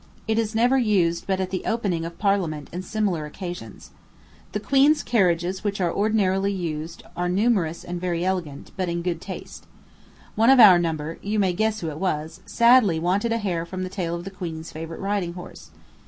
It is never used but at the opening of Parliament and similar occasions. The queen's carriages which are ordinarily used are numerous and very elegant, but in good taste. One of our number you may guess who it was sadly wanted a hair from the tail of the queen's favorite riding horse.